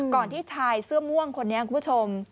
ที่ชายเสื้อม่วงคนนี้คุณผู้ชม